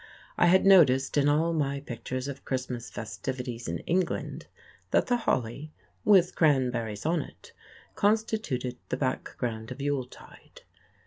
I had noticed in all my pictures of Christmas festivities in England that the holly, with cranberries on it, constituted the background of Yuletide.